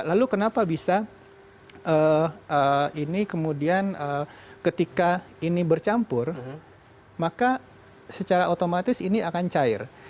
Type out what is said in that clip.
lalu kenapa bisa ini kemudian ketika ini bercampur maka secara otomatis ini akan cair